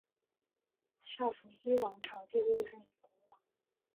萨伏伊王朝第六任国王。